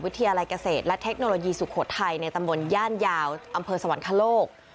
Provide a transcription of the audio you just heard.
วิทยาลัยเกษตรและเทคโนโลยีสุขโทรธัยในตำรวจย่านยาวอำเภอสวรรคโลก